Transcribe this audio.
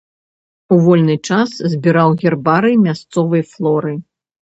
У вольны час збіраў гербарый мясцовай флоры.